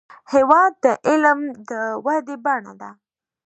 هېواد د علم د ودې بڼه ده.